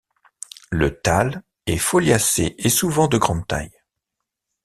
Le thalle est foliacé et souvent de grande taille.